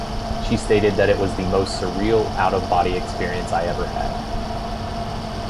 She stated that it was the most surreal, out-of-body experience I ever had.